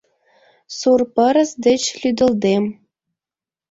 - Сур пырыс деч лӱдылдем